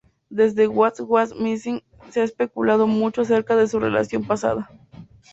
Desde What Was Missing se ha especulado mucho acerca de su relación pasada.